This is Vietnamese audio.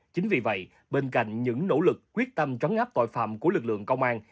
chính vì vậy bên cạnh những nỗ lực quyết tâm trấn áp tội phạm của lực lượng công an